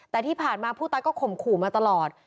แต่ที่ผ่านมาผู้ตายก็ข่มขู่มาตลอด